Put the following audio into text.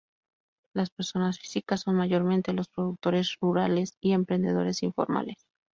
Las personas físicas son mayormente los productores rurales y emprendedores informales.